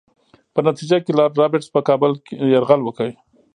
په نتیجه کې لارډ رابرټس پر کابل یرغل وکړ.